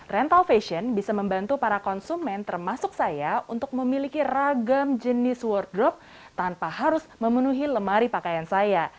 rental fashion bisa membantu para konsumen termasuk saya untuk memiliki ragam jenis wordrop tanpa harus memenuhi lemari pakaian saya